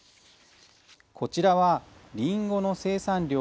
こちらは、りんごの生産量